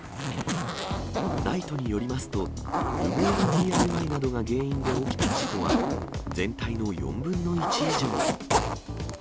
ＮＩＴＥによりますと、無謀なＤＩＹなどが原因で起きた事故は、全体の４分の１以上。